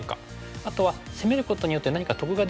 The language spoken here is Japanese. あとは攻めることによって何か得ができるのか。